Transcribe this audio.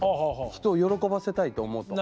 人を喜ばせたいと思うと。